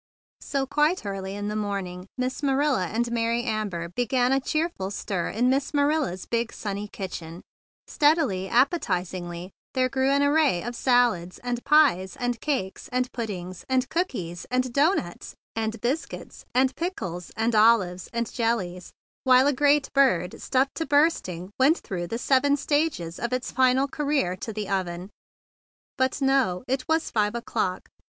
So quite early in the morning Miss Marilla and Mary Amber began a cheerful stir in Miss Manilla's big sunny kitchen, and steadily, appetizingly, there grew an array of salads and pies and cakes and puddings and cookies and doughnuts and biscuits and pickles and olives and jellies; while a great bird stuffed to bursting went through the seven stages of its final career to the oven. But now it was five o'clock.